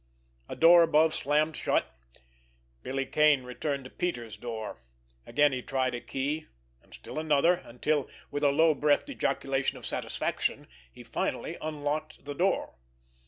A door above slammed shut. Billy Kane returned to Peters' door. Again he tried a key, and still another, until, with a low breathed ejaculation of satisfaction, he finally unlocked the door.